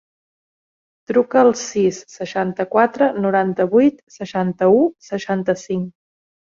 Truca al sis, seixanta-quatre, noranta-vuit, seixanta-u, seixanta-cinc.